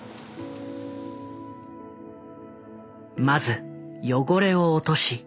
まず汚れを落とし